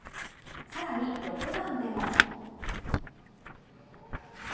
更に６番でも。